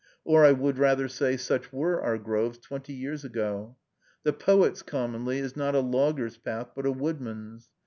Or, I would rather say, such were our groves twenty years ago. The poet's, commonly, is not a logger's path, but a woodman's.